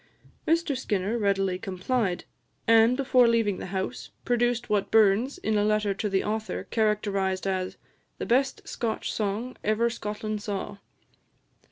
Mr Skinner readily complied, and, before leaving the house, produced what Burns, in a letter to the author, characterised as "the best Scotch song ever Scotland saw."